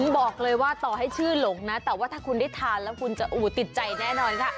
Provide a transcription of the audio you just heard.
บอกเลยว่าต่อให้ชื่อหลงนะแต่ว่าถ้าคุณได้ทานแล้วคุณจะอู๋ติดใจแน่นอนค่ะ